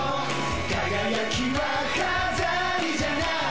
輝きは飾りじゃない